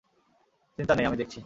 চিন্তা নেই, আমি দেখছি।